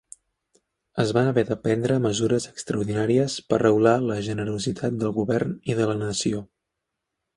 Es van haver de prendre mesures extraordinàries per regular la generositat del govern i de la nació.